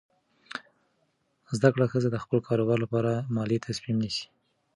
زده کړه ښځه د خپل کاروبار لپاره مالي تصمیم نیسي.